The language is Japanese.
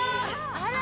あら！